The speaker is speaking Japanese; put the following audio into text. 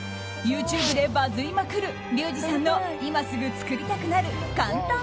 ＹｏｕＴｕｂｅでバズりまくるリュウジさんの今すぐ作りたくなる簡単！